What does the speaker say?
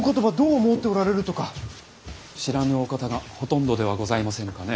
知らぬお方がほとんどではございませぬかね。